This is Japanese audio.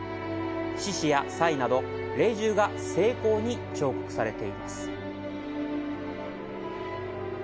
獅子や犀など、霊獣が精巧に彫刻されています。